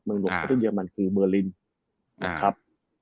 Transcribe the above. เมืองหลวงประเทศเยอรมันคือเมืองลินนะครับ